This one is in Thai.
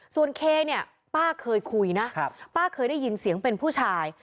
ส่วนเคเนี่ยป้าเคยคุยนะป้าเคยได้ยินเสียงเป็นผู้ชาย